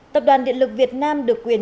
tập đoàn điện lực việt nam được quyền